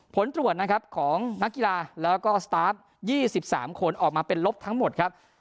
ผลตรวจนะครับของนักกีฬาแล้วก็สตาร์ฟ๒๓คนออกมาเป็นลบทั้งหมดครับ